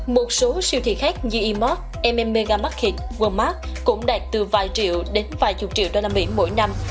một số siêu thị khác như e mart mm mega market walmart cũng đạt từ vài triệu đến vài chục triệu usd mỗi năm